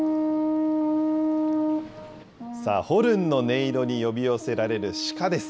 ホルンの音色に呼び寄せられる鹿です。